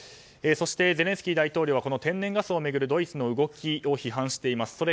そしてゼレンスキー大統領は天然ガスを巡るドイツの動きを批判しています。